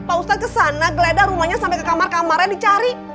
pak ustadz ke sana geledah rumahnya sampai ke kamar kamarnya dicari